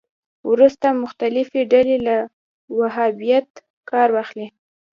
وروسته مختلفې ډلې له وهابیت کار واخلي